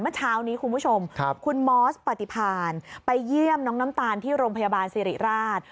เมื่อเช้านี้คุณผู้ชมคุณมอสปฏิพานไปเยี่ยมน้องน้ำตาลที่โรงพยาบาลสิริราช